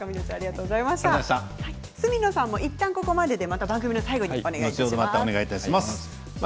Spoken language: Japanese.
角野さんはいったんここまでで番組の最後お願いします。